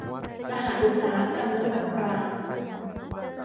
สหอุตสาหกรรมน้ำมันปาล์ม